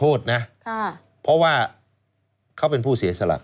คุณนิวจดไว้หมื่นบาทต่อเดือนมีค่าเสี่ยงให้ด้วย